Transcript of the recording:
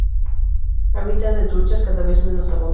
Hábitat de truchas, cada vez menos abundantes.